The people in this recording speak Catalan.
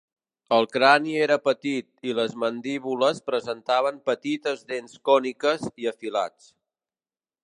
El crani era petit i les mandíbules presentaven petites dents còniques i afilats.